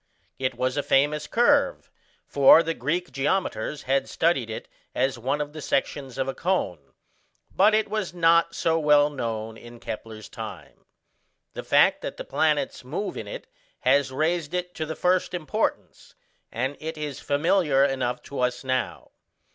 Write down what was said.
It was a famous curve, for the Greek geometers had studied it as one of the sections of a cone, but it was not so well known in Kepler's time. The fact that the planets move in it has raised it to the first importance, and it is familiar enough to us now.